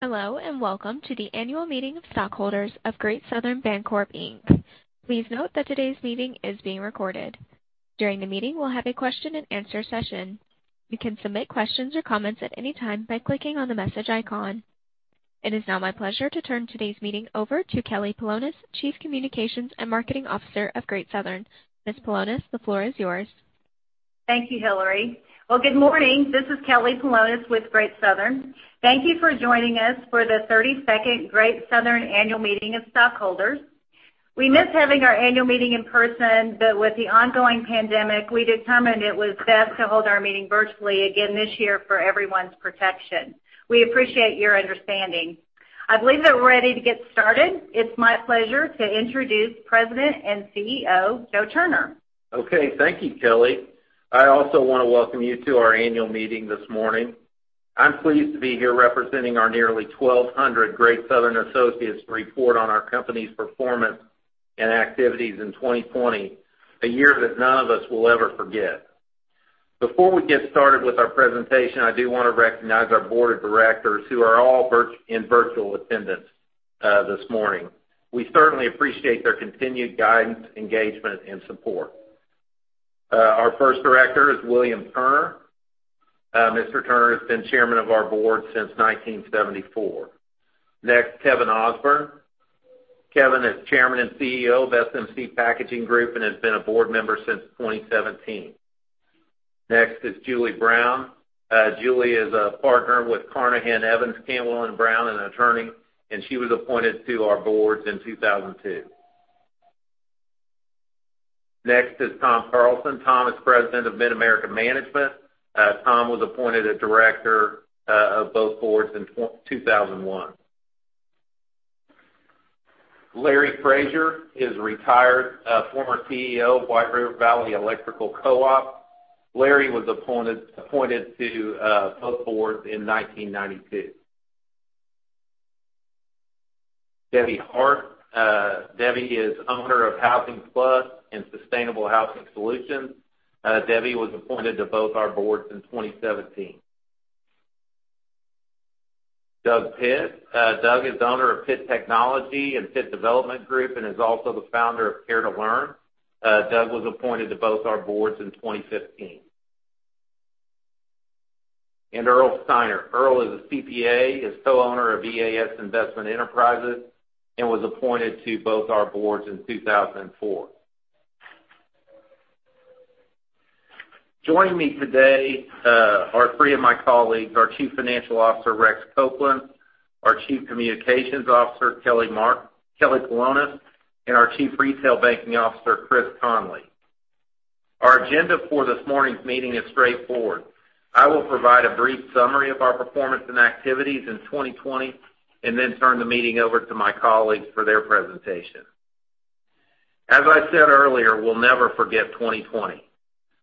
Hello, and welcome to the annual meeting of stockholders of Great Southern Bancorp, Inc. Please note that today's meeting is being recorded. During the meeting, we'll have a question and answer session. You can submit questions or comments at any time by clicking on the message icon. It is now my pleasure to turn today's meeting over to Kelly Polonus, Chief Communications and Marketing Officer of Great Southern. Ms. Polonus, the floor is yours. Thank you, Hillary. Well, good morning. This is Kelly Polonus with Great Southern. Thank you for joining us for the 32nd Great Southern annual meeting of stockholders. We miss having our annual meeting in person, but with the ongoing pandemic, we determined it was best to hold our meeting virtually again this year for everyone's protection. We appreciate your understanding. I believe that we're ready to get started. It's my pleasure to introduce President and CEO, Joe Turner. Okay. Thank you, Kelly. I also want to welcome you to our annual meeting this morning. I'm pleased to be here representing our nearly 1,200 Great Southern associates to report on our company's performance and activities in 2020, a year that none of us will ever forget. Before we get started with our presentation, I do want to recognize our board of directors who are all in virtual attendance this morning. We certainly appreciate their continued guidance, engagement, and support. Our first director is William Turner. Mr. Turner has been chairman of our board since 1974. Next, Kevin Ausburn. Kevin is chairman and CEO of SMC Packaging Group and has been a board member since 2017. Next is Julie Brown. Julie is a partner with Carnahan, Evans, Cantwell & Brown, an attorney, and she was appointed to our board in 2002. Next is Tom Carlson. Tom Carlson is president of The Mid-America Management Corporation. Tom Carlson was appointed a director of both boards in 2001. Larry D. Frazier is retired former Chief Executive Officer of White River Valley Electric Cooperative. Larry D. Frazier was appointed to both boards in 1992. Debra Mallonee Shantz Hart. Debra Mallonee Shantz Hart is owner of Housing Plus LLC and Sustainable Housing Solutions LLC. Debra Mallonee Shantz Hart was appointed to both our boards in 2017. Douglas M. Pitt. Douglas M. Pitt is owner of Pitt Technology Group and Pitt Development Group, LLC and is also the founder of Care to Learn. Douglas M. Pitt was appointed to both our boards in 2015. Earl A. Steinert, Jr. Earl A. Steinert, Jr. is a CPA, is co-owner of EAS Investment Enterprises Inc., and was appointed to both our boards in 2004. Joining me today are three of my colleagues, our Chief Financial Officer, Rex A. Copeland, our Chief Communications and Marketing Officer, Kelly Polonus, and our Chief Retail Banking Officer, Kris Conley. Our agenda for this morning's meeting is straightforward. I will provide a brief summary of our performance and activities in 2020 and then turn the meeting over to my colleagues for their presentation. As I said earlier, we'll never forget 2020.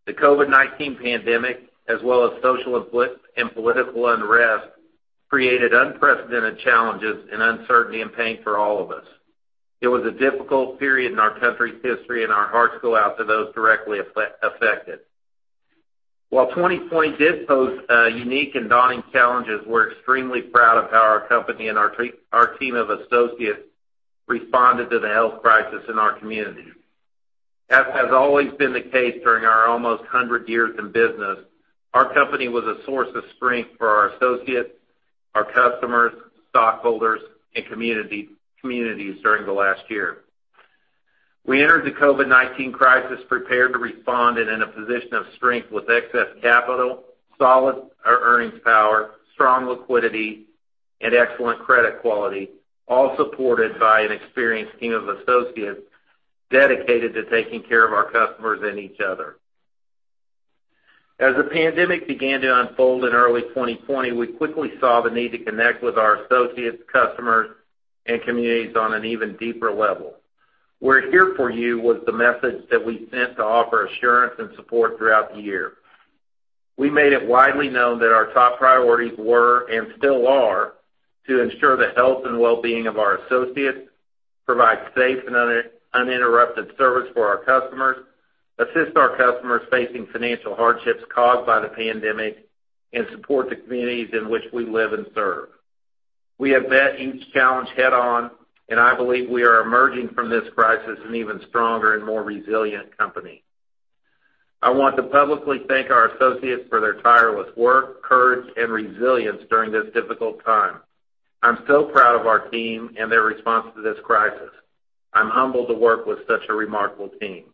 The COVID-19 pandemic, as well as social and political unrest, created unprecedented challenges and uncertainty and pain for all of us. It was a difficult period in our country's history, and our hearts go out to those directly affected. While 2020 did pose unique and daunting challenges, we're extremely proud of how our company and our team of associates responded to the health crisis in our community. As has always been the case during our almost 100 years in business, our company was a source of strength for our associates, our customers, stockholders, and communities during the last year. We entered the COVID-19 crisis prepared to respond and in a position of strength with excess capital, solid earnings power, strong liquidity, and excellent credit quality, all supported by an experienced team of associates dedicated to taking care of our customers and each other. As the pandemic began to unfold in early 2020, we quickly saw the need to connect with our associates, customers, and communities on an even deeper level. "We're here for you" was the message that we sent to offer assurance and support throughout the year. We made it widely known that our top priorities were, and still are, to ensure the health and well-being of our associates, provide safe and uninterrupted service for our customers, assist our customers facing financial hardships caused by the pandemic, and support the communities in which we live and serve. We have met each challenge head on, and I believe we are emerging from this crisis an even stronger and more resilient company. I want to publicly thank our associates for their tireless work, courage, and resilience during this difficult time. I'm so proud of our team and their response to this crisis. I'm humbled to work with such a remarkable team.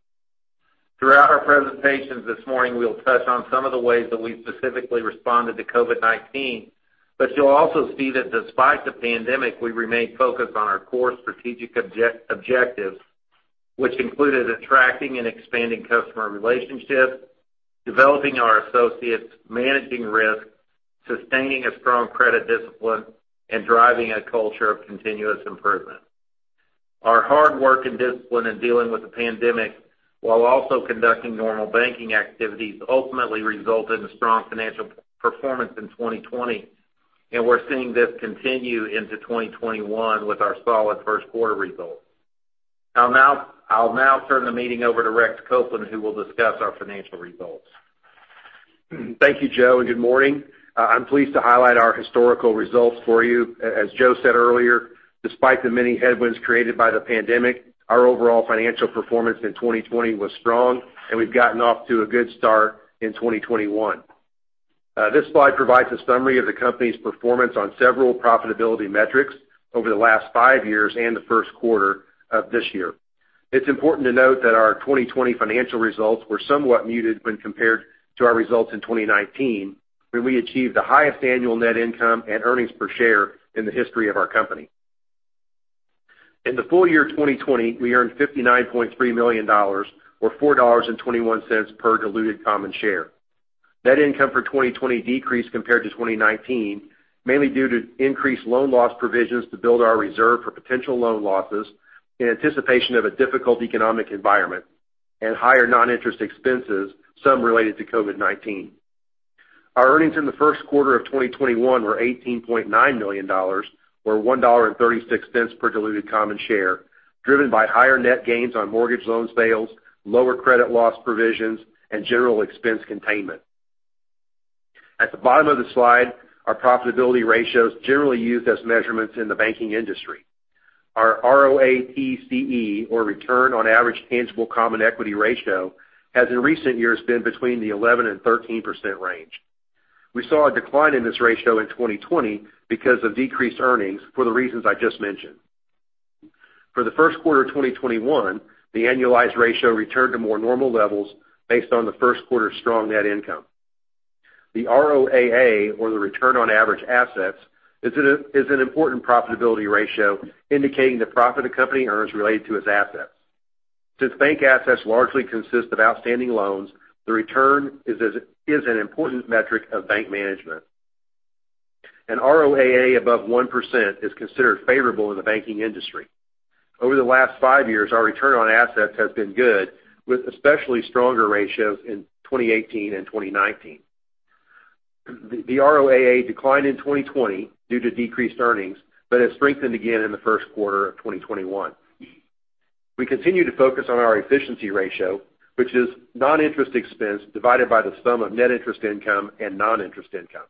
Throughout our presentations this morning, we'll touch on some of the ways that we specifically responded to COVID-19, but you'll also see that despite the pandemic, we remained focused on our core strategic objectives, which included attracting and expanding customer relationships, developing our associates, managing risk, sustaining a strong credit discipline, and driving a culture of continuous improvement. Our hard work and discipline in dealing with the pandemic while also conducting normal banking activities ultimately resulted in strong financial performance in 2020. We're seeing this continue into 2021 with our solid first quarter results. I'll now turn the meeting over to Rex Copeland, who will discuss our financial results. Thank you, Joe, and good morning. I'm pleased to highlight our historical results for you. As Joe said earlier, despite the many headwinds created by the pandemic, our overall financial performance in 2020 was strong, and we've gotten off to a good start in 2021. This slide provides a summary of the company's performance on several profitability metrics over the last five years and the first quarter of this year. It's important to note that our 2020 financial results were somewhat muted when compared to our results in 2019, when we achieved the highest annual net income and earnings per share in the history of our company. In the full year 2020, we earned $59.3 million, or $4.21 per diluted common share. Net income for 2020 decreased compared to 2019, mainly due to increased loan loss provisions to build our reserve for potential loan losses in anticipation of a difficult economic environment, and higher non-interest expenses, some related to COVID-19. Our earnings in the first quarter of 2021 were $18.9 million, or $1.36 per diluted common share, driven by higher net gains on mortgage loan sales, lower credit loss provisions, and general expense containment. At the bottom of the slide are profitability ratios generally used as measurements in the banking industry. Our ROATCE, or return on average tangible common equity ratio, has in recent years been between the 11% and 13% range. We saw a decline in this ratio in 2020 because of decreased earnings for the reasons I just mentioned. For the first quarter of 2021, the annualized ratio returned to more normal levels based on the first quarter strong net income. The ROAA, or the return on average assets, is an important profitability ratio indicating the profit a company earns related to its assets. Since bank assets largely consist of outstanding loans, the return is an important metric of bank management. An ROAA above 1% is considered favorable in the banking industry. Over the last five years, our return on assets has been good, with especially stronger ratios in 2018 and 2019. The ROAA declined in 2020 due to decreased earnings, but has strengthened again in the first quarter of 2021. We continue to focus on our efficiency ratio, which is non-interest expense divided by the sum of net interest income and non-interest income.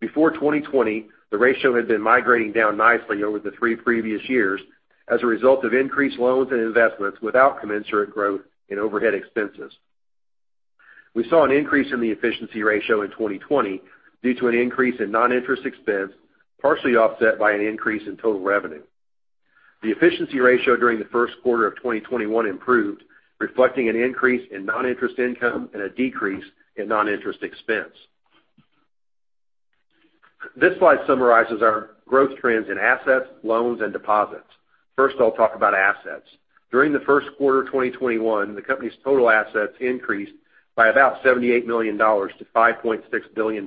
Before 2020, the ratio had been migrating down nicely over the three previous years as a result of increased loans and investments without commensurate growth in overhead expenses. We saw an increase in the efficiency ratio in 2020 due to an increase in non-interest expense, partially offset by an increase in total revenue. The efficiency ratio during the first quarter of 2021 improved, reflecting an increase in non-interest income and a decrease in non-interest expense. This slide summarizes our growth trends in assets, loans, and deposits. First, I'll talk about assets. During the first quarter of 2021, the company's total assets increased by about $78 million to $5.6 billion.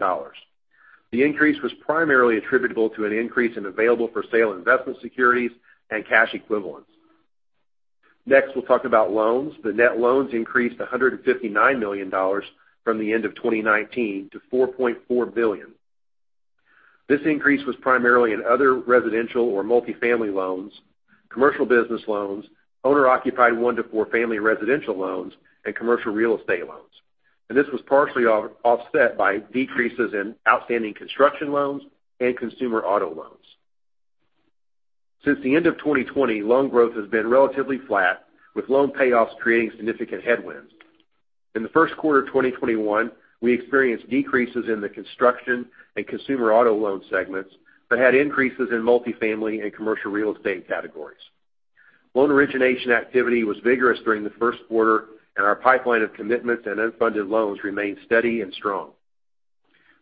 The increase was primarily attributable to an increase in available-for-sale investment securities and cash equivalents. Next, we'll talk about loans. The net loans increased $159 million from the end of 2019 to $4.4 billion. This increase was primarily in other residential or multifamily loans, commercial business loans, owner-occupied one to four family residential loans, and commercial real estate loans. This was partially offset by decreases in outstanding construction loans and consumer auto loans. Since the end of 2020, loan growth has been relatively flat, with loan payoffs creating significant headwinds. In the first quarter of 2021, we experienced decreases in the construction and consumer auto loan segments, but had increases in multifamily and commercial real estate categories. Loan origination activity was vigorous during the first quarter, and our pipeline of commitments and unfunded loans remains steady and strong.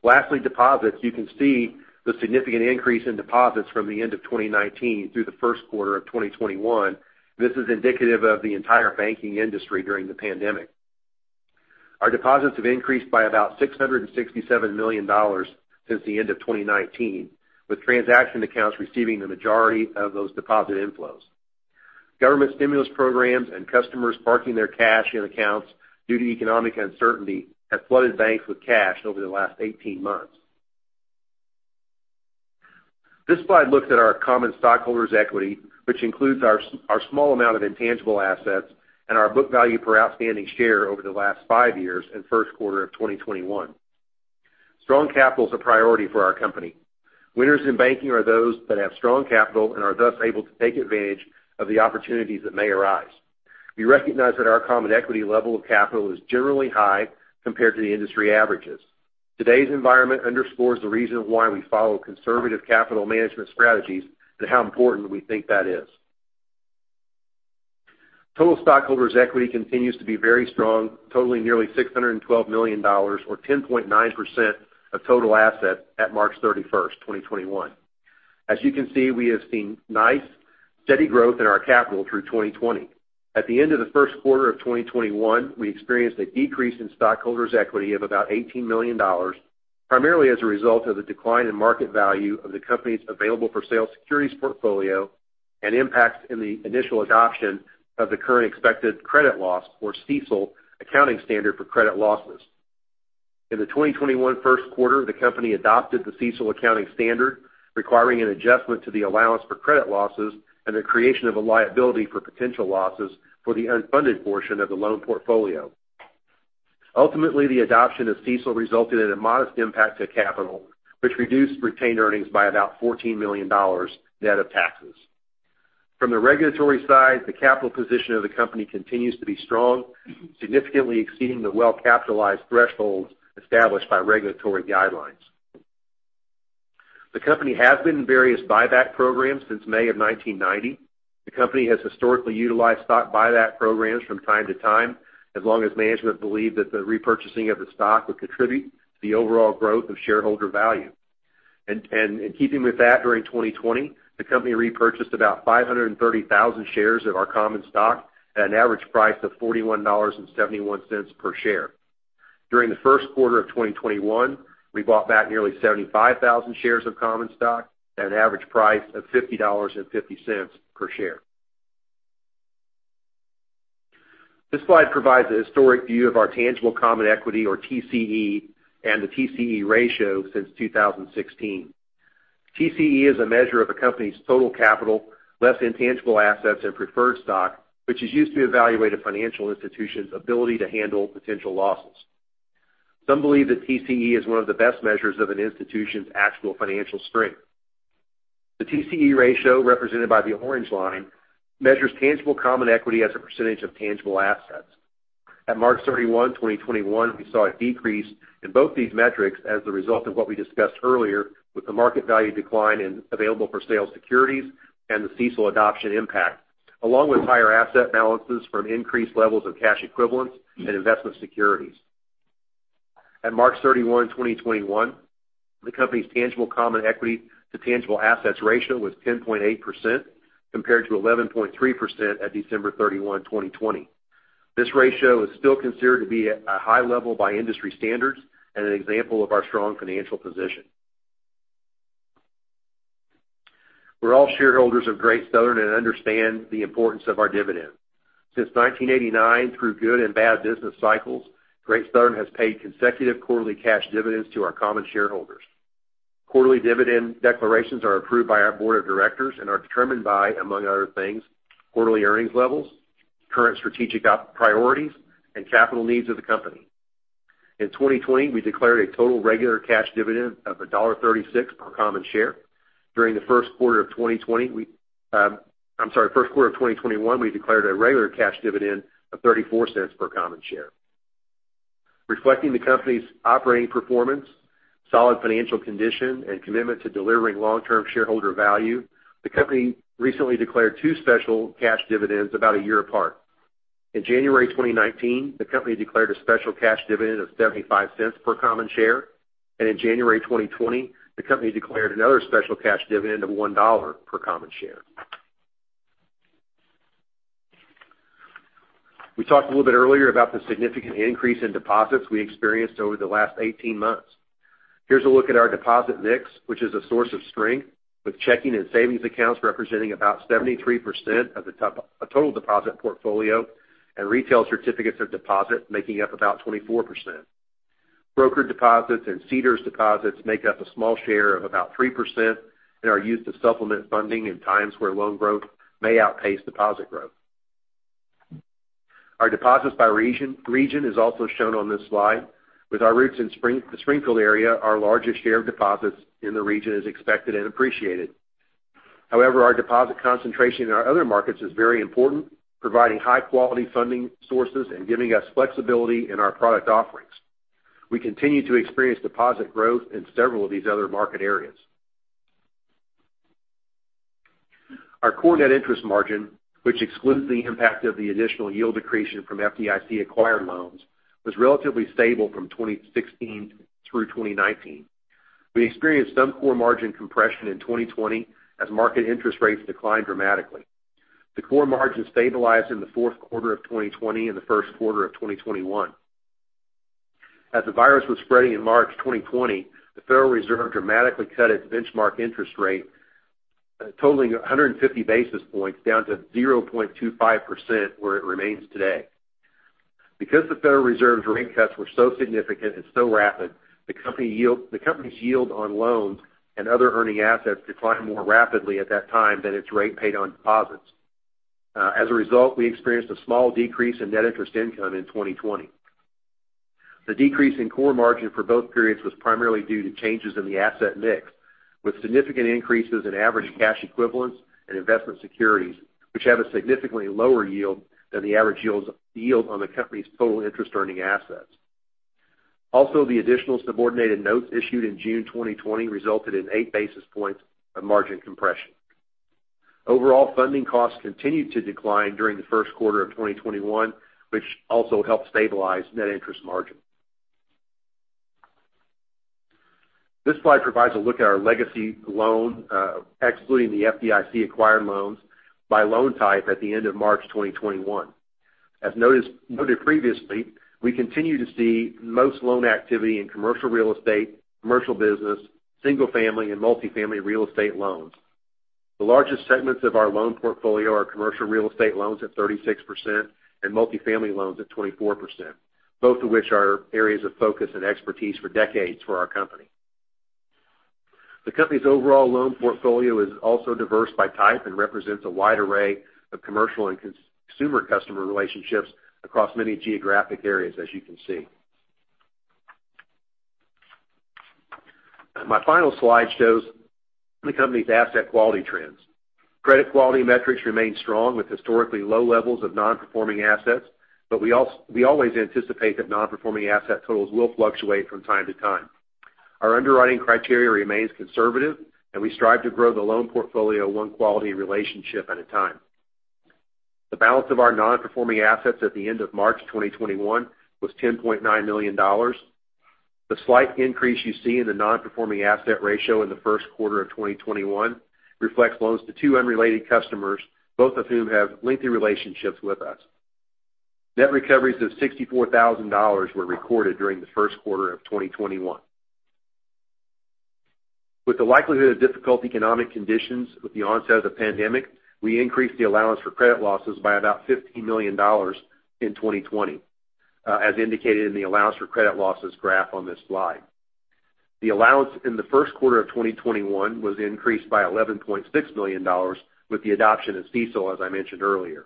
Lastly, deposits. You can see the significant increase in deposits from the end of 2019 through the first quarter of 2021. This is indicative of the entire banking industry during the pandemic. Our deposits have increased by about $667 million since the end of 2019, with transaction accounts receiving the majority of those deposit inflows. Government stimulus programs and customers parking their cash in accounts due to economic uncertainty have flooded banks with cash over the last 18 months. This slide looks at our common stockholders' equity, which includes our small amount of intangible assets and our book value per outstanding share over the last five years and first quarter of 2021. Strong capital is a priority for our company. Winners in banking are those that have strong capital and are thus able to take advantage of the opportunities that may arise. We recognize that our common equity level of capital is generally high compared to the industry averages. Today's environment underscores the reason why we follow conservative capital management strategies and how important we think that is. Total stockholders' equity continues to be very strong, totaling nearly $612 million, or 10.9% of total assets at March 31st, 2021. As you can see, we have seen nice, steady growth in our capital through 2020. At the end of the first quarter of 2021, we experienced a decrease in stockholders' equity of about $18 million, primarily as a result of the decline in market value of the company's available-for-sale securities portfolio and impacts in the initial adoption of the current expected credit loss, or CECL, accounting standard for credit losses. In the 2021 first quarter, the company adopted the CECL accounting standard, requiring an adjustment to the allowance for credit losses and the creation of a liability for potential losses for the unfunded portion of the loan portfolio. Ultimately, the adoption of CECL resulted in a modest impact to capital, which reduced retained earnings by about $14 million, net of taxes. From the regulatory side, the capital position of the company continues to be strong, significantly exceeding the well-capitalized thresholds established by regulatory guidelines. The company has been in various buyback programs since May of 1990. The company has historically utilized stock buyback programs from time to time, as long as management believed that the repurchasing of the stock would contribute to the overall growth of shareholder value. Keeping with that, during 2020, the company repurchased about 530,000 shares of our common stock at an average price of $41.71 per share. During the first quarter of 2021, we bought back nearly 75,000 shares of common stock at an average price of $50.50 per share. This slide provides a historic view of our tangible common equity, or TCE, and the TCE ratio since 2016. TCE is a measure of a company's total capital, less intangible assets and preferred stock, which is used to evaluate a financial institution's ability to handle potential losses. Some believe that TCE is one of the best measures of an institution's actual financial strength. The TCE ratio, represented by the orange line, measures tangible common equity as a percentage of tangible assets. At March 31, 2021, we saw a decrease in both these metrics as the result of what we discussed earlier with the market value decline in available-for-sale securities and the CECL adoption impact, along with higher asset balances from increased levels of cash equivalents and investment securities. At March 31, 2021, the company's tangible common equity to tangible assets ratio was 10.8%, compared to 11.3% at December 31, 2020. This ratio is still considered to be at a high level by industry standards and an example of our strong financial position. We're all shareholders of Great Southern and understand the importance of our dividend. Since 1989, through good and bad business cycles, Great Southern has paid consecutive quarterly cash dividends to our common shareholders. Quarterly dividend declarations are approved by our board of directors and are determined by, among other things, quarterly earnings levels, current strategic priorities, and capital needs of the company. In 2020, we declared a total regular cash dividend of $1.36 per common share. During the first quarter of 2021, we declared a regular cash dividend of $0.34 per common share. Reflecting the company's operating performance, solid financial condition, and commitment to delivering long-term shareholder value, the company recently declared two special cash dividends about a year apart. In January 2019, the company declared a special cash dividend of $0.75 per common share, and in January 2020, the company declared another special cash dividend of $1 per common share. We talked a little bit earlier about the significant increase in deposits we experienced over the last 18 months. Here's a look at our deposit mix, which is a source of strength, with checking and savings accounts representing about 73% of the total deposit portfolio and retail certificates of deposit making up about 24%. Broker deposits and CDARS deposits make up a small share of about 3% and are used to supplement funding in times where loan growth may outpace deposit growth. Our deposits by region is also shown on this slide. With our roots in the Springfield area, our largest share of deposits in the region is expected and appreciated. Our deposit concentration in our other markets is very important, providing high-quality funding sources and giving us flexibility in our product offerings. We continue to experience deposit growth in several of these other market areas. Our core net interest margin, which excludes the impact of the additional yield accretion from FDIC-acquired loans, was relatively stable from 2016 through 2019. We experienced some core margin compression in 2020 as market interest rates declined dramatically. The core margin stabilized in the fourth quarter of 2020 and the first quarter of 2021. As the virus was spreading in March 2020, the Federal Reserve dramatically cut its benchmark interest rate, totaling 150 basis points down to 0.25%, where it remains today. Because the Federal Reserve's rate cuts were so significant and so rapid, the company's yield on loans and other earning assets declined more rapidly at that time than its rate paid on deposits. As a result, we experienced a small decrease in net interest income in 2020. The decrease in core margin for both periods was primarily due to changes in the asset mix, with significant increases in average cash equivalents and investment securities, which have a significantly lower yield than the average yield on the company's total interest-earning assets. The additional subordinated notes issued in June 2020 resulted in eight basis points of margin compression. Funding costs continued to decline during the first quarter of 2021, which also helped stabilize net interest margin. This slide provides a look at our legacy loan, excluding the FDIC-acquired loans, by loan type at the end of March 2021. As noted previously, we continue to see most loan activity in commercial real estate, commercial business, single-family, and multifamily real estate loans. The largest segments of our loan portfolio are commercial real estate loans at 36% and multifamily loans at 24%, both of which are areas of focus and expertise for decades for our company. The company's overall loan portfolio is also diverse by type and represents a wide array of commercial and consumer customer relationships across many geographic areas, as you can see. My final slide shows the company's asset quality trends. Credit quality metrics remain strong with historically low levels of non-performing assets, but we always anticipate that non-performing asset totals will fluctuate from time to time. Our underwriting criteria remains conservative, and we strive to grow the loan portfolio one quality relationship at a time. The balance of our non-performing assets at the end of March 2021 was $10.9 million. The slight increase you see in the non-performing asset ratio in the first quarter of 2021 reflects loans to two unrelated customers, both of whom have lengthy relationships with us. Net recoveries of $64,000 were recorded during the first quarter of 2021. With the likelihood of difficult economic conditions with the onset of the pandemic, we increased the allowance for credit losses by about $50 million in 2020, as indicated in the allowance for credit losses graph on this slide. The allowance in the first quarter of 2021 was increased by $11.6 million with the adoption of CECL, as I mentioned earlier.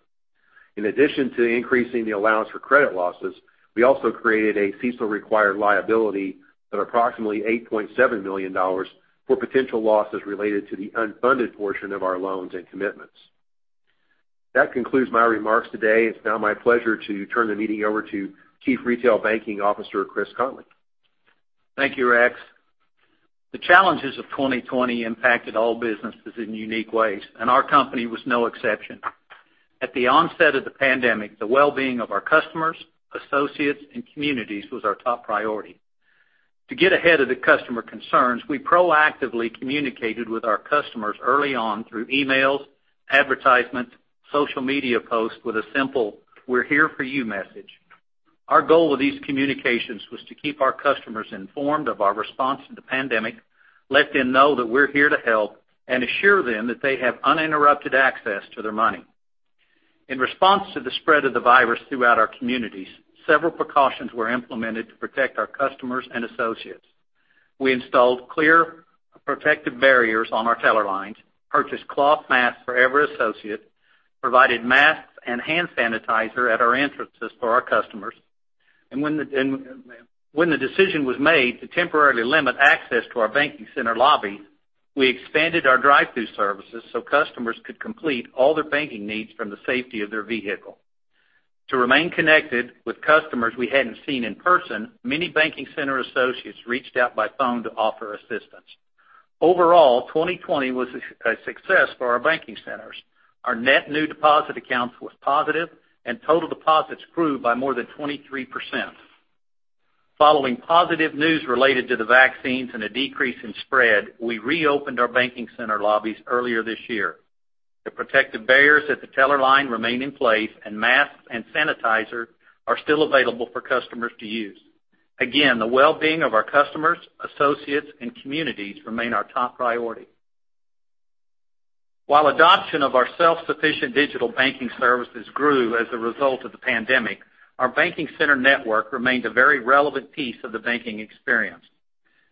In addition to increasing the allowance for credit losses, we also created a CECL-required liability of approximately $8.7 million for potential losses related to the unfunded portion of our loans and commitments. That concludes my remarks today. It's now my pleasure to turn the meeting over to Chief Retail Banking Officer, Kris Conley. Thank you, Rex. The challenges of 2020 impacted all businesses in unique ways, and our company was no exception. At the onset of the pandemic, the well-being of our customers, associates, and communities was our top priority. To get ahead of the customer concerns, we proactively communicated with our customers early on through emails, advertisements, social media posts with a simple, "We're here for you," message. Our goal with these communications was to keep our customers informed of our response to the pandemic, let them know that we're here to help, and assure them that they have uninterrupted access to their money. In response to the spread of the virus throughout our communities, several precautions were implemented to protect our customers and associates. We installed clear protective barriers on our teller lines, purchased cloth masks for every associate, provided masks and hand sanitizer at our entrances for our customers, and when the decision was made to temporarily limit access to our banking center lobby, we expanded our drive-thru services so customers could complete all their banking needs from the safety of their vehicle. To remain connected with customers we hadn't seen in person, many banking center associates reached out by phone to offer assistance. Overall, 2020 was a success for our banking centers. Our net new deposit accounts was positive and total deposits grew by more than 23%. Following positive news related to the vaccines and a decrease in spread, we reopened our banking center lobbies earlier this year. The protective barriers at the teller line remain in place and masks and sanitizer are still available for customers to use. Again, the well-being of our customers, associates, and communities remain our top priority. While adoption of our self-sufficient digital banking services grew as a result of the pandemic, our banking center network remained a very relevant piece of the banking experience.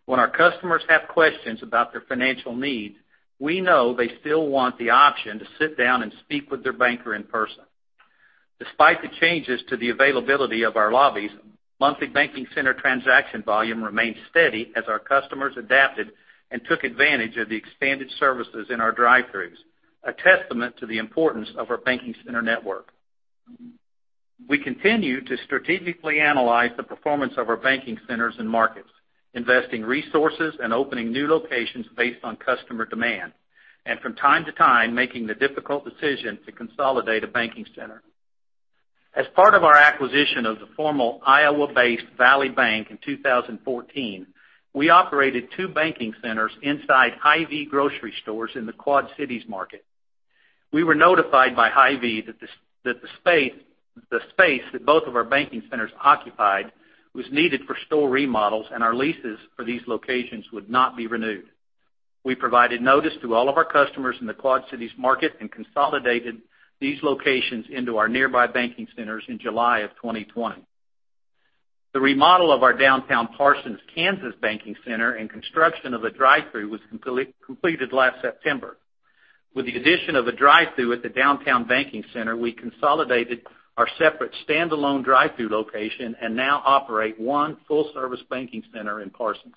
When our customers have questions about their financial needs, we know they still want the option to sit down and speak with their banker in person. Despite the changes to the availability of our lobbies, monthly banking center transaction volume remained steady as our customers adapted and took advantage of the expanded services in our drive-thrus, a testament to the importance of our banking center network. We continue to strategically analyze the performance of our banking centers and markets, investing resources and opening new locations based on customer demand, and from time to time, making the difficult decision to consolidate a banking center. As part of our acquisition of the former Iowa-based Valley Bank in 2014, we operated two banking centers inside Hy-Vee grocery stores in the Quad Cities market. We were notified by Hy-Vee that the space that both of our banking centers occupied was needed for store remodels and our leases for these locations would not be renewed. We provided notice to all of our customers in the Quad Cities market and consolidated these locations into our nearby banking centers in July of 2020. The remodel of our downtown Parsons, Kansas banking center and construction of a drive-thru was completed last September. With the addition of a drive-thru at the downtown banking center, we consolidated our separate standalone drive-thru location and now operate one full-service banking center in Parsons.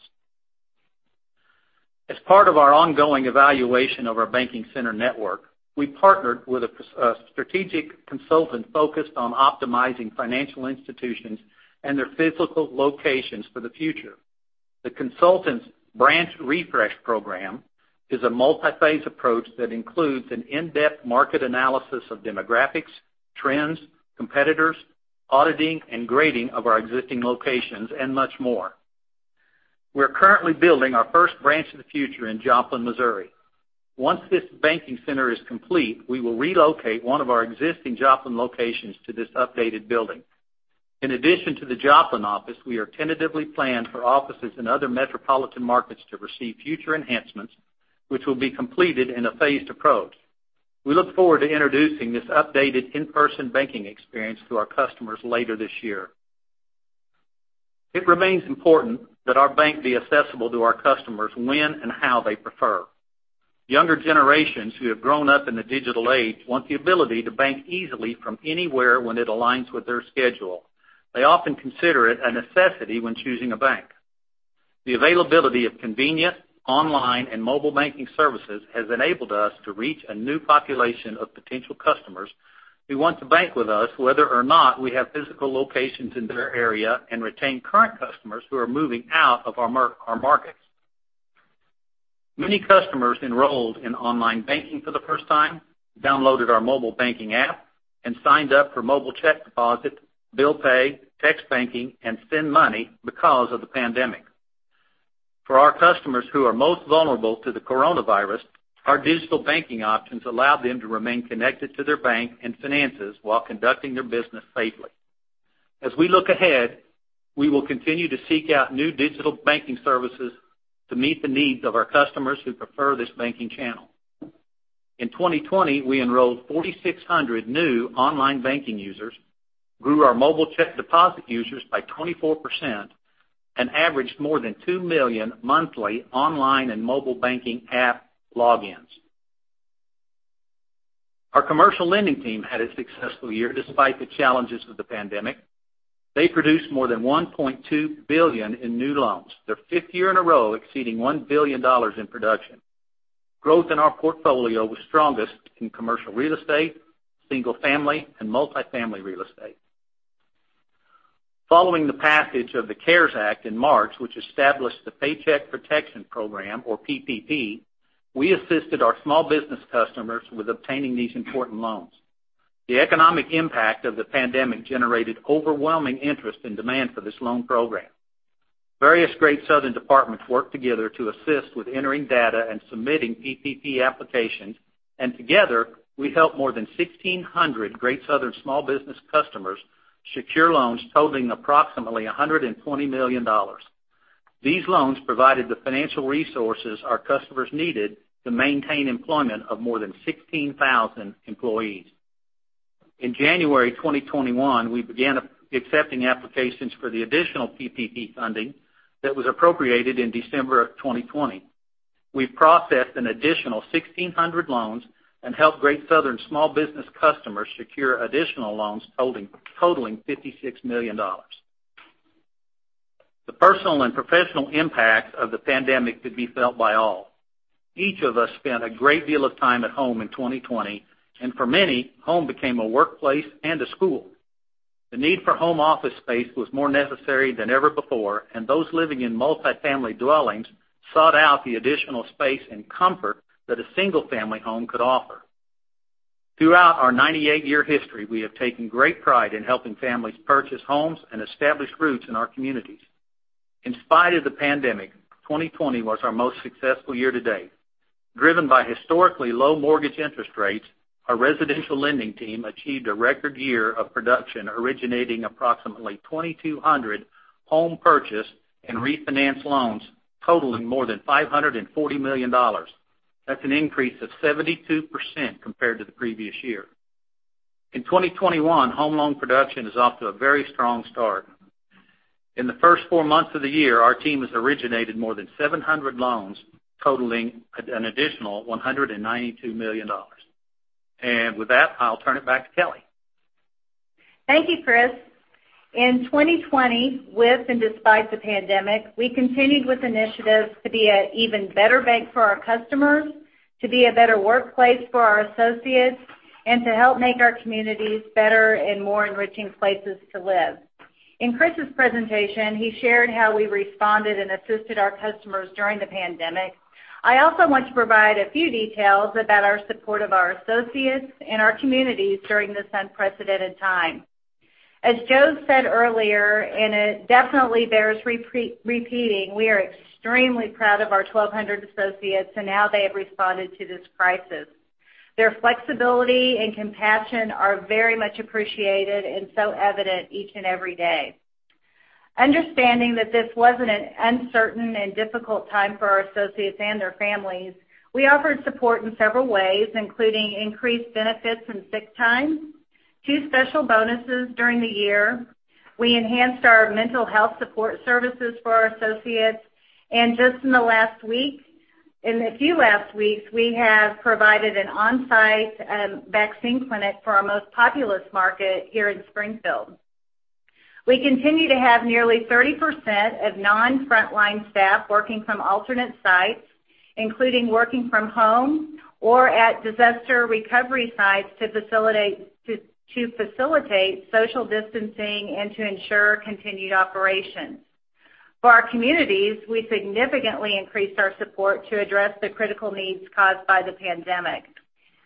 As part of our ongoing evaluation of our banking center network, we partnered with a strategic consultant focused on optimizing financial institutions and their physical locations for the future. The consultant's branch refresh program is a multi-phase approach that includes an in-depth market analysis of demographics, trends, competitors, auditing, and grading of our existing locations, and much more. We're currently building our first branch of the future in Joplin, Missouri. Once this banking center is complete, we will relocate one of our existing Joplin locations to this updated building. In addition to the Joplin office, we are tentatively planned for offices in other metropolitan markets to receive future enhancements, which will be completed in a phased approach. We look forward to introducing this updated in-person banking experience to our customers later this year. It remains important that our bank be accessible to our customers when and how they prefer. Younger generations who have grown up in the digital age want the ability to bank easily from anywhere when it aligns with their schedule. They often consider it a necessity when choosing a bank. The availability of convenient online and mobile banking services has enabled us to reach a new population of potential customers who want to bank with us, whether or not we have physical locations in their area, and retain current customers who are moving out of our markets. Many customers enrolled in online banking for the first time, downloaded our mobile banking app, and signed up for mobile check deposit, bill pay, text banking, and send money because of the pandemic. For our customers who are most vulnerable to the coronavirus, our digital banking options allow them to remain connected to their bank and finances while conducting their business safely. As we look ahead, we will continue to seek out new digital banking services to meet the needs of our customers who prefer this banking channel. In 2020, we enrolled 4,600 new online banking users, grew our mobile check deposit users by 24%, and averaged more than 2 million monthly online and mobile banking app logins. Our commercial lending team had a successful year despite the challenges of the pandemic. They produced more than $1.2 billion in new loans, their fifth year in a row exceeding $1 billion in production. Growth in our portfolio was strongest in commercial real estate, single-family, and multifamily real estate. Following the passage of the CARES Act in March, which established the Paycheck Protection Program, or PPP, we assisted our small business customers with obtaining these important loans. The economic impact of the pandemic generated overwhelming interest and demand for this loan program. Various Great Southern departments worked together to assist with entering data and submitting PPP applications, and together, we helped more than 1,600 Great Southern small business customers secure loans totaling approximately $120 million. These loans provided the financial resources our customers needed to maintain employment of more than 16,000 employees. In January 2021, we began accepting applications for the additional PPP funding that was appropriated in December of 2020. We've processed an additional 1,600 loans and helped Great Southern small business customers secure additional loans totaling $56 million. The personal and professional impact of the pandemic could be felt by all. Each of us spent a great deal of time at home in 2020, and for many, home became a workplace and a school. The need for home office space was more necessary than ever before, and those living in multifamily dwellings sought out the additional space and comfort that a single-family home could offer. Throughout our 98-year history, we have taken great pride in helping families purchase homes and establish roots in our communities. In spite of the pandemic, 2020 was our most successful year to date. Driven by historically low mortgage interest rates, our residential lending team achieved a record year of production, originating approximately 2,200 home purchase and refinance loans totaling more than $540 million. That's an increase of 72% compared to the previous year. In 2021, home loan production is off to a very strong start. In the first four months of the year, our team has originated more than 700 loans totaling an additional $192 million. With that, I'll turn it back to Kelly. Thank you, Kris. In 2020, with and despite the pandemic, we continued with initiatives to be an even better bank for our customers, to be a better workplace for our associates, and to help make our communities better and more enriching places to live. In Kris's presentation, he shared how we responded and assisted our customers during the pandemic. I also want to provide a few details about our support of our associates and our communities during this unprecedented time. As Joe Turner said earlier, it definitely bears repeating, we are extremely proud of our 1,200 associates and how they have responded to this crisis. Their flexibility and compassion are very much appreciated and so evident each and every day. Understanding that this was an uncertain and difficult time for our associates and their families, we offered support in several ways, including increased benefits and sick time, two special bonuses during the year. We enhanced our mental health support services for our associates. Just in the few last weeks, we have provided an on-site vaccine clinic for our most populous market here in Springfield. We continue to have nearly 30% of non-frontline staff working from alternate sites, including working from home or at disaster recovery sites to facilitate social distancing and to ensure continued operations. For our communities, we significantly increased our support to address the critical needs caused by the pandemic.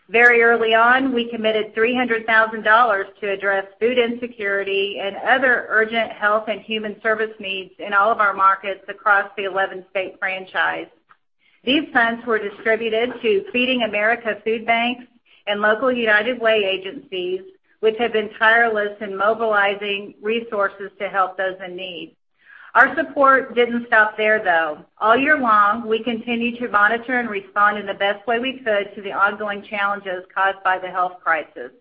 Very early on, we committed $300,000 to address food insecurity and other urgent health and human service needs in all of our markets across the 11-state franchise. These funds were distributed to Feeding America food banks and local United Way agencies, which have been tireless in mobilizing resources to help those in need. Our support didn't stop there, though. All year long, we continued to monitor and respond in the best way we could to the ongoing challenges caused by the health crisis.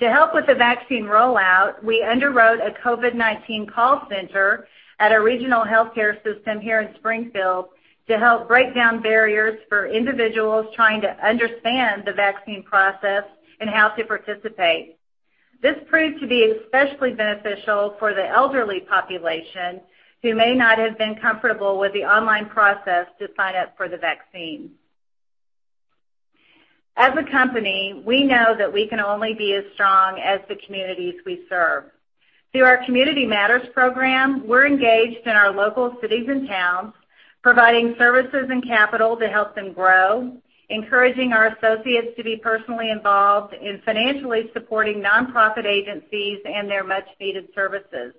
To help with the vaccine rollout, we underwrote a COVID-19 call center at a regional healthcare system here in Springfield to help break down barriers for individuals trying to understand the vaccine process and how to participate. This proved to be especially beneficial for the elderly population who may not have been comfortable with the online process to sign up for the vaccine. As a company, we know that we can only be as strong as the communities we serve. Through our Community Matters program, we're engaged in our local cities and towns, providing services and capital to help them grow, encouraging our associates to be personally involved in financially supporting nonprofit agencies and their much-needed services.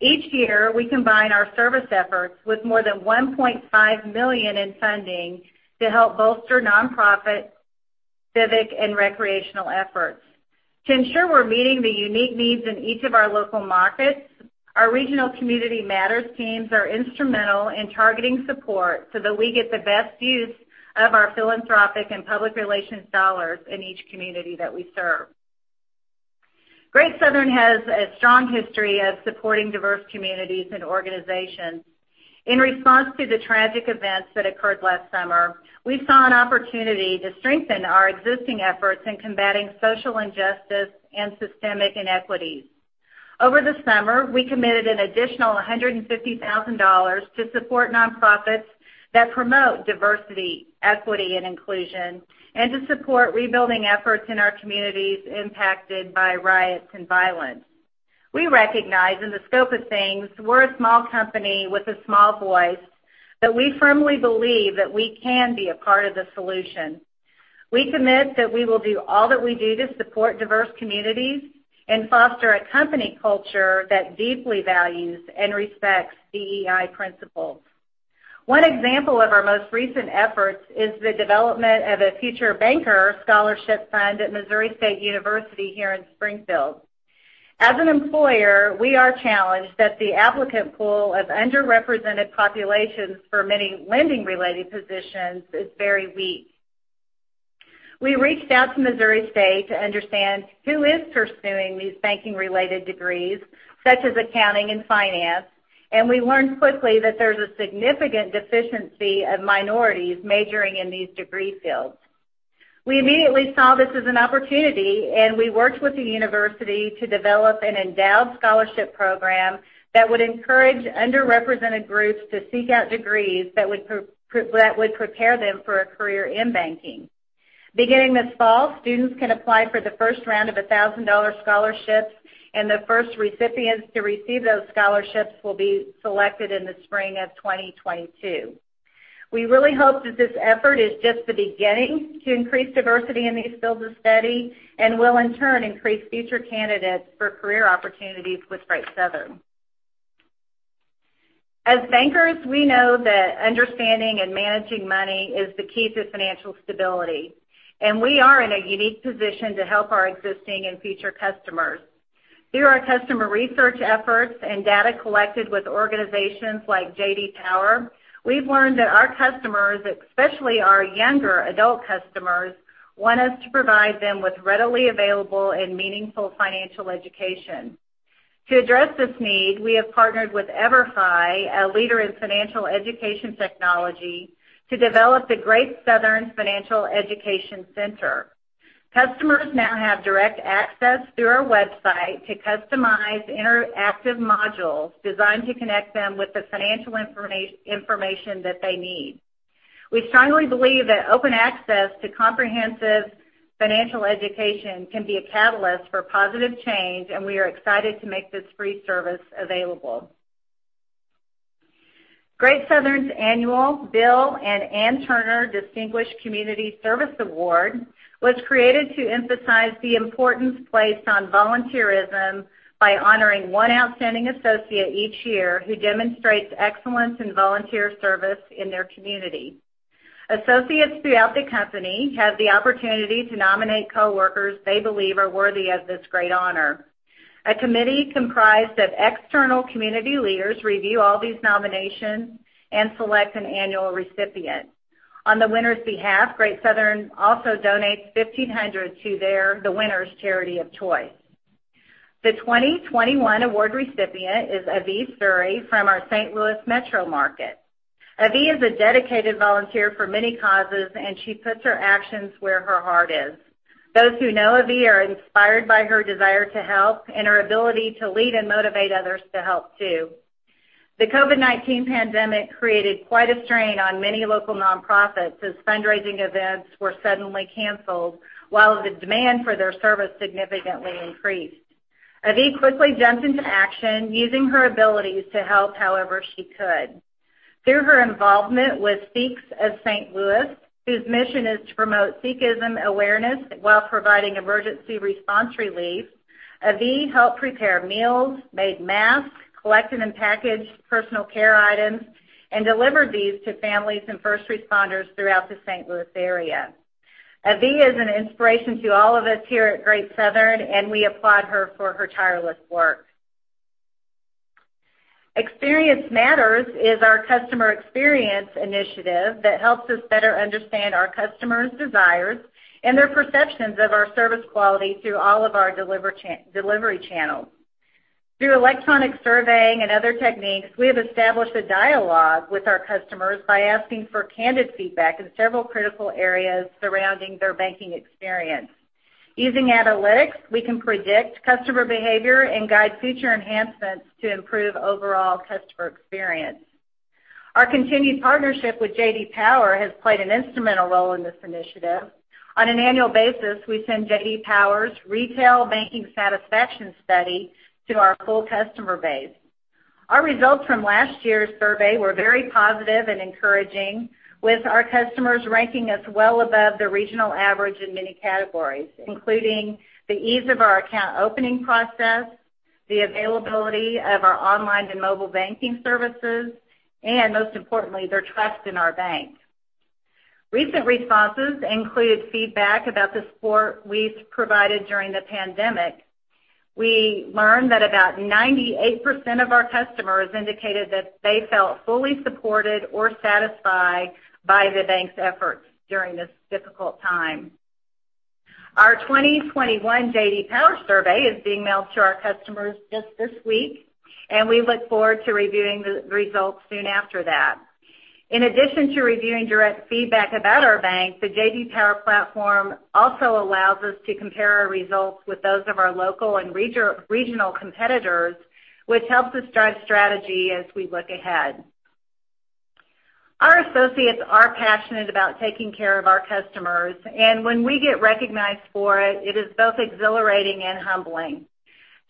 Each year, we combine our service efforts with more than $1.5 million in funding to help bolster nonprofit, civic, and recreational efforts. To ensure we're meeting the unique needs in each of our local markets, our regional Community Matters teams are instrumental in targeting support so that we get the best use of our philanthropic and public relations dollars in each community that we serve. Great Southern has a strong history of supporting diverse communities and organizations. In response to the tragic events that occurred last summer, we saw an opportunity to strengthen our existing efforts in combating social injustice and systemic inequities. Over the summer, we committed an additional $150,000 to support nonprofits that promote diversity, equity, and inclusion, and to support rebuilding efforts in our communities impacted by riots and violence. We recognize, in the scope of things, we're a small company with a small voice, but we firmly believe that we can be a part of the solution. We commit that we will do all that we do to support diverse communities and foster a company culture that deeply values and respects DEI principles. One example of our most recent efforts is the development of a Future Banker scholarship fund at Missouri State University here in Springfield. As an employer, we are challenged that the applicant pool of underrepresented populations for many lending-related positions is very weak. We reached out to Missouri State to understand who is pursuing these banking-related degrees, such as accounting and finance, and we learned quickly that there's a significant deficiency of minorities majoring in these degree fields. We immediately saw this as an opportunity, and we worked with the university to develop an endowed scholarship program that would encourage underrepresented groups to seek out degrees that would prepare them for a career in banking. Beginning this fall, students can apply for the first round of $1,000 scholarships, and the first recipients to receive those scholarships will be selected in the spring of 2022. We really hope that this effort is just the beginning to increase diversity in these fields of study and will, in turn, increase future candidates for career opportunities with Great Southern. As bankers, we know that understanding and managing money is the key to financial stability. We are in a unique position to help our existing and future customers. Through our customer research efforts and data collected with organizations like J.D. Power, we've learned that our customers, especially our younger adult customers, want us to provide them with readily available and meaningful financial education. To address this need, we have partnered with EVERFI, a leader in financial education technology, to develop the Great Southern Financial Education Center. Customers now have direct access through our website to customized interactive modules designed to connect them with the financial information that they need. We strongly believe that open access to comprehensive financial education can be a catalyst for positive change. We are excited to make this free service available. Great Southern's annual Bill and Ann Turner Distinguished Community Service Award was created to emphasize the importance placed on volunteerism by honoring one outstanding associate each year who demonstrates excellence in volunteer service in their community. Associates throughout the company have the opportunity to nominate coworkers they believe are worthy of this great honor. A committee comprised of external community leaders review all these nominations and select an annual recipient. On the winner's behalf, Great Southern also donates $1,500 to the winner's charity of choice. The 2021 award recipient is Avi Suri from our St. Louis metro market. Avi is a dedicated volunteer for many causes, and she puts her actions where her heart is. Those who know Avi are inspired by her desire to help and her ability to lead and motivate others to help, too. The COVID-19 pandemic created quite a strain on many local nonprofits as fundraising events were suddenly canceled, while the demand for their service significantly increased. Avi quickly jumped into action, using her abilities to help however she could. Through her involvement with Sikhs of St. Louis, whose mission is to promote Sikhism awareness while providing emergency response relief, Avi helped prepare meals, made masks, collected and packaged personal care items, and delivered these to families and first responders throughout the St. Louis area. Avi is an inspiration to all of us here at Great Southern, and we applaud her for her tireless work. Experience Matters is our customer experience initiative that helps us better understand our customers' desires and their perceptions of our service quality through all of our delivery channels. Through electronic surveying and other techniques, we have established a dialogue with our customers by asking for candid feedback in several critical areas surrounding their banking experience. Using analytics, we can predict customer behavior and guide future enhancements to improve overall customer experience. Our continued partnership with J.D. Power has played an instrumental role in this initiative. On an annual basis, we send J.D. Power's retail banking satisfaction study to our full customer base. Our results from last year's survey were very positive and encouraging, with our customers ranking us well above the regional average in many categories, including the ease of our account opening process, the availability of our online and mobile banking services, and most importantly, their trust in our bank. Recent responses included feedback about the support we've provided during the pandemic. We learned that about 98% of our customers indicated that they felt fully supported or satisfied by the bank's efforts during this difficult time. Our 2021 J.D. Power survey is being mailed to our customers just this week, and we look forward to reviewing the results soon after that. In addition to reviewing direct feedback about our bank, the J.D. Power platform also allows us to compare our results with those of our local and regional competitors, which helps us drive strategy as we look ahead. Our associates are passionate about taking care of our customers, and when we get recognized for it is both exhilarating and humbling.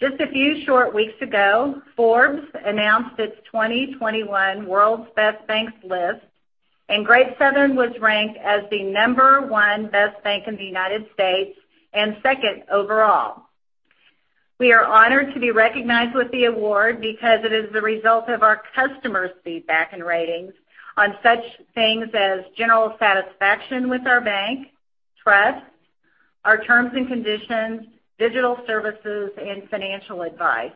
Just a few short weeks ago, Forbes announced its 2021 World's Best Banks list, and Great Southern was ranked as the number one best bank in the United States, and second overall. We are honored to be recognized with the award because it is the result of our customers' feedback and ratings on such things as general satisfaction with our bank, trust, our terms and conditions, digital services, and financial advice.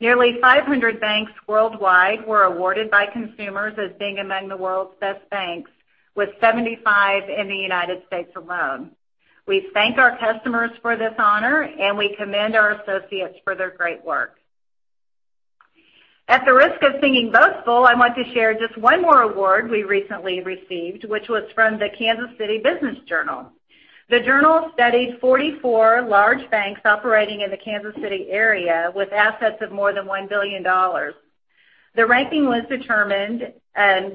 Nearly 500 banks worldwide were awarded by consumers as being among the World's Best Banks, with 75 in the U.S. alone. We thank our customers for this honor, and we commend our associates for their great work. At the risk of seeming boastful, I want to share just one more award we recently received, which was from the Kansas City Business Journal. The journal studied 44 large banks operating in the Kansas City area with assets of more than $1 billion. The ranking was determined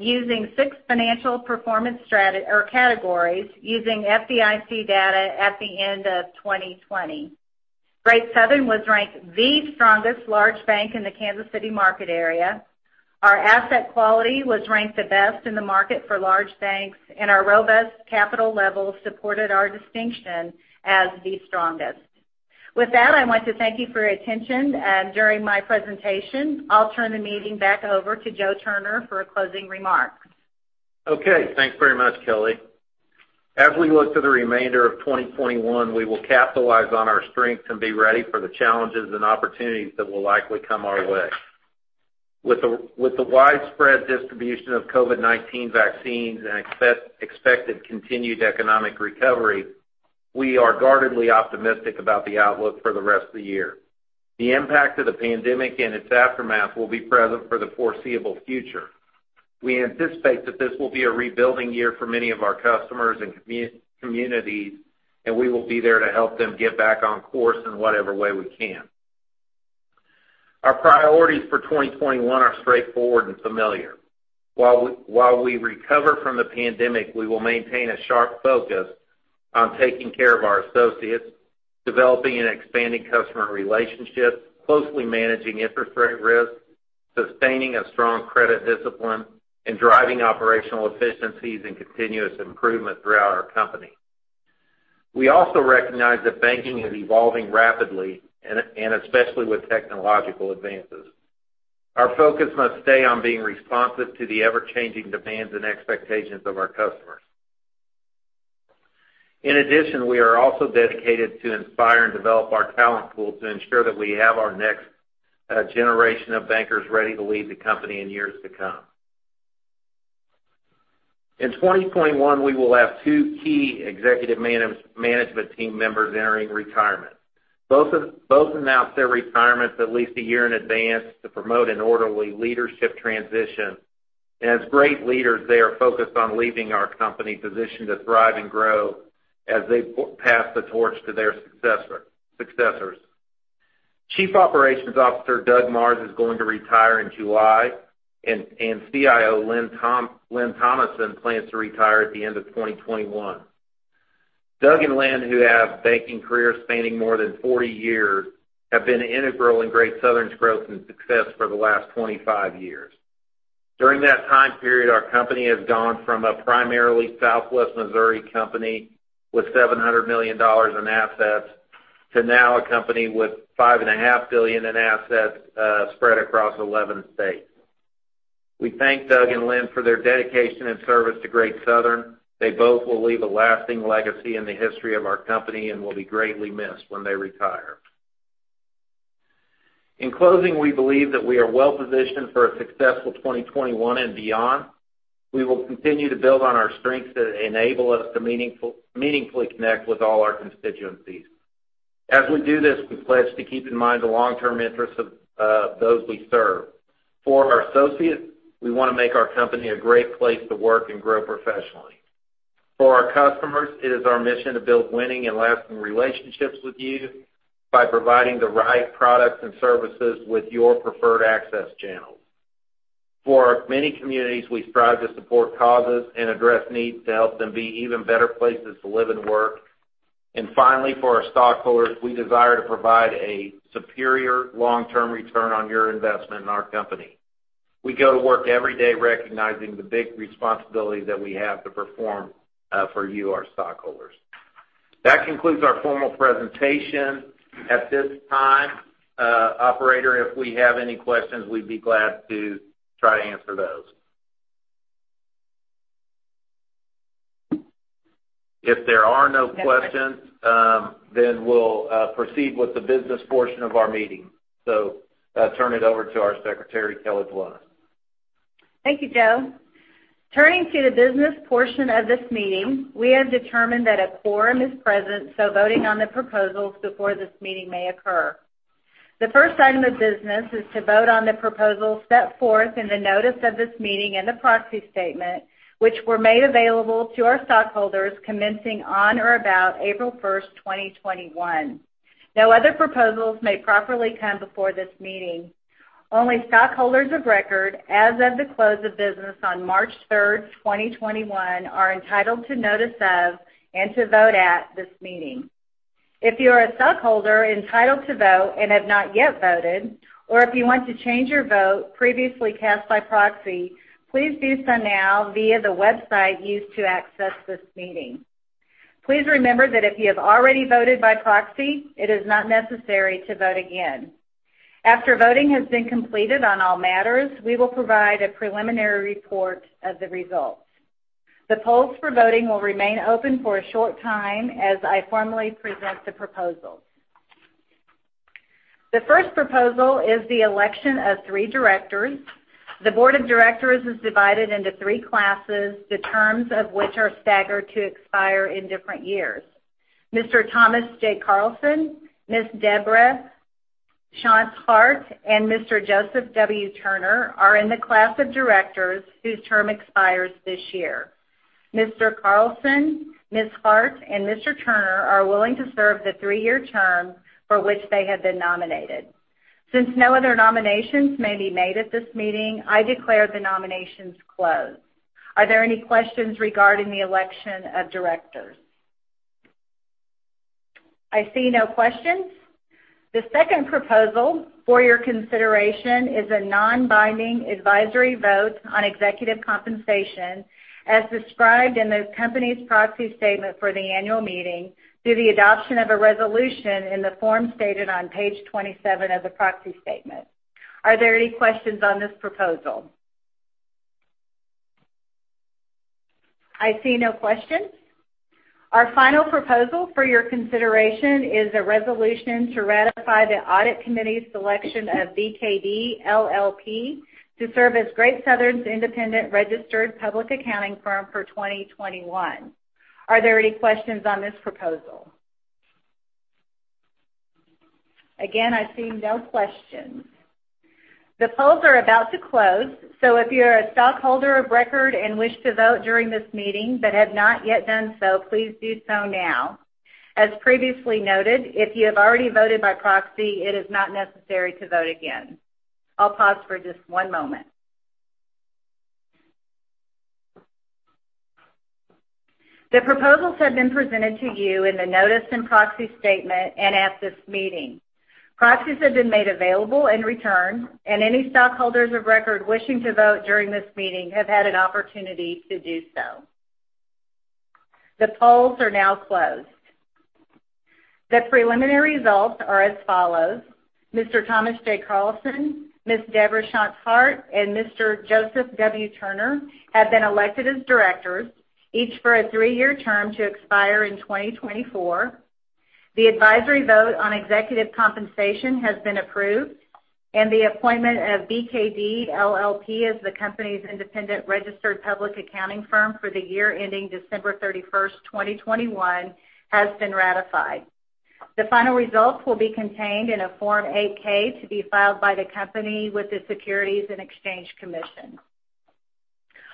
using six financial performance categories using FDIC data at the end of 2020. Great Southern was ranked the strongest large bank in the Kansas City market area. Our asset quality was ranked the best in the market for large banks, and our robust capital level supported our distinction as the strongest. With that, I want to thank you for your attention during my presentation. I'll turn the meeting back over to Joe Turner for closing remarks. Okay. Thanks very much, Kelly. As we look to the remainder of 2021, we will capitalize on our strengths and be ready for the challenges and opportunities that will likely come our way. With the widespread distribution of COVID-19 vaccines and expected continued economic recovery, we are guardedly optimistic about the outlook for the rest of the year. The impact of the pandemic and its aftermath will be present for the foreseeable future. We anticipate that this will be a rebuilding year for many of our customers and communities, and we will be there to help them get back on course in whatever way we can. Our priorities for 2021 are straightforward and familiar. While we recover from the pandemic, we will maintain a sharp focus on taking care of our associates, developing and expanding customer relationships, closely managing interest rate risk, sustaining a strong credit discipline, and driving operational efficiencies and continuous improvement throughout our company. We also recognize that banking is evolving rapidly, and especially with technological advances. Our focus must stay on being responsive to the ever-changing demands and expectations of our customers. In addition, we are also dedicated to inspire and develop our talent pool to ensure that we have our next generation of bankers ready to lead the company in years to come. In 2021, we will have two key executive management team members entering retirement. Both announced their retirements at least a year in advance to promote an orderly leadership transition. As great leaders, they are focused on leaving our company positioned to thrive and grow as they pass the torch to their successors. Chief Operations Officer Doug Marrs is going to retire in July, and CIO Lin Thomason plans to retire at the end of 2021. Doug and Lin, who have banking careers spanning more than 40 years, have been integral in Great Southern's growth and success for the last 25 years. During that time period, our company has gone from a primarily Southwest Missouri company with $700 million in assets, to now a company with $5.5 billion in assets spread across 11 states. We thank Doug and Lin for their dedication and service to Great Southern. They both will leave a lasting legacy in the history of our company and will be greatly missed when they retire. In closing, we believe that we are well-positioned for a successful 2021 and beyond. We will continue to build on our strengths that enable us to meaningfully connect with all our constituencies. As we do this, we pledge to keep in mind the long-term interests of those we serve. For our associates, we want to make our company a great place to work and grow professionally. For our customers, it is our mission to build winning and lasting relationships with you by providing the right products and services with your preferred access channels. For our many communities, we strive to support causes and address needs to help them be even better places to live and work. Finally, for our stockholders, we desire to provide a superior long-term return on your investment in our company. We go to work every day recognizing the big responsibility that we have to perform for you, our stockholders. That concludes our formal presentation. At this time, operator, if we have any questions, we'd be glad to try to answer those. If there are no questions, then we'll proceed with the business portion of our meeting. I'll turn it over to our secretary, Kelly Polonus. Thank you, Joe. Turning to the business portion of this meeting, we have determined that a quorum is present, voting on the proposals before this meeting may occur. The first item of business is to vote on the proposals set forth in the notice of this meeting and the proxy statement, which were made available to our stockholders commencing on or about April 1st, 2021. No other proposals may properly come before this meeting. Only stockholders of record as of the close of business on March 3rd, 2021, are entitled to notice of and to vote at this meeting. If you are a stockholder entitled to vote and have not yet voted, or if you want to change your vote previously cast by proxy, please do so now via the website used to access this meeting. Please remember that if you have already voted by proxy, it is not necessary to vote again. After voting has been completed on all matters, we will provide a preliminary report of the results. The polls for voting will remain open for a short time as I formally present the proposals. The first proposal is the election of three directors. The board of directors is divided into three classes, the terms of which are staggered to expire in different years. Mr. Thomas J. Carlson, Ms. Deborah Shantz Hart, and Mr. Joseph W. Turner are in the class of directors whose term expires this year. Mr. Carlson, Ms. Hart, and Mr. Turner are willing to serve the three-year term for which they have been nominated. Since no other nominations may be made at this meeting, I declare the nominations closed. Are there any questions regarding the election of directors? I see no questions. The second proposal for your consideration is a non-binding advisory vote on executive compensation as described in the company's proxy statement for the annual meeting through the adoption of a resolution in the form stated on page 27 of the proxy statement. Are there any questions on this proposal? I see no questions. Our final proposal for your consideration is a resolution to ratify the audit committee's selection of BKD, LLP to serve as Great Southern's independent registered public accounting firm for 2021. Are there any questions on this proposal? Again, I see no questions. The polls are about to close. If you're a stockholder of record and wish to vote during this meeting but have not yet done so, please do so now. As previously noted, if you have already voted by proxy, it is not necessary to vote again. I'll pause for just one moment. The proposals have been presented to you in the notice and proxy statement and at this meeting. Proxies have been made available and returned, any stockholders of record wishing to vote during this meeting have had an opportunity to do so. The polls are now closed. The preliminary results are as follows: Mr. Thomas J. Carlson, Ms. Deborah Shantz Hart, and Mr. Joseph W. Turner have been elected as directors, each for a three-year term to expire in 2024. The advisory vote on executive compensation has been approved, the appointment of BKD, LLP as the company's independent registered public accounting firm for the year ending December 31st, 2021, has been ratified. The final results will be contained in a Form 8-K to be filed by the company with the Securities and Exchange Commission.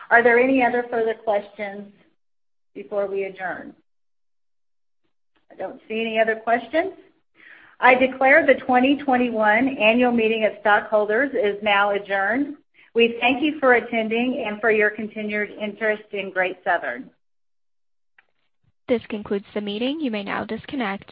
Are there any other further questions before we adjourn? I don't see any other questions. I declare the 2021 annual meeting of stockholders is now adjourned. We thank you for attending and for your continued interest in Great Southern. This concludes the meeting. You may now disconnect.